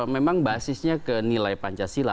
memang basisnya ke nilai pancasila